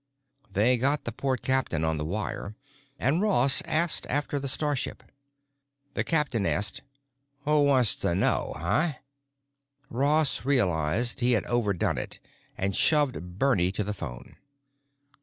They got the Port Captain on the wire and Ross asked after the starship. The captain asked, "Who wan'sta know, huh?" Ross realized he had overdone it and shoved Bernie at the phone.